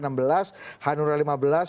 kalau kita lihat